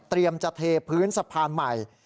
เตรียมจะเทพื้นสะพานใหม่